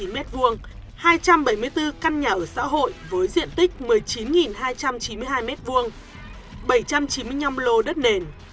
bốn mươi sáu tám mươi chín m hai hai trăm bảy mươi bốn căn nhà ở xã hội với diện tích một mươi chín hai trăm chín mươi hai m hai bảy trăm chín mươi năm lô đất nền